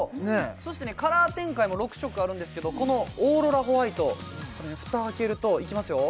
そしてねカラー展開も６色あるんですけどこのオーロラホワイトフタ開けるといきますよ